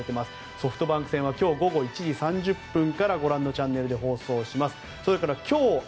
ソフトバンク戦は今日午後１時３０分からご覧のチャンネルで放送します。